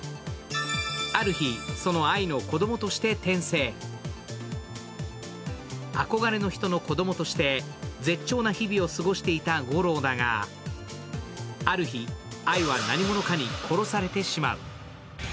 ある日、そのアイの子供として転生憧れの人の子供として絶頂な日々を過ごしていたゴローだが、ある日、アイは何者かに殺されてしまう。